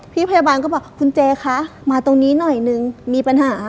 พี่พยาบาลก็บอกคุณเจคะมาตรงนี้หน่อยนึงมีปัญหา